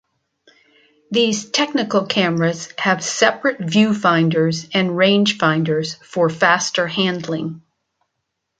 These "technical cameras" have separate viewfinders and rangefinders for faster handling.